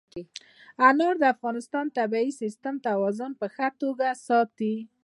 انار د افغانستان د طبعي سیسټم توازن په ښه توګه ساتي.